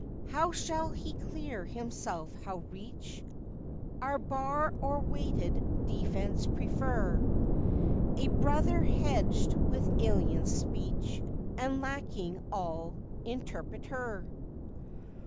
How shall he clear himself, how reach Our bar or weighed defence prefer A brother hedged with alien speech And lacking all interpreter?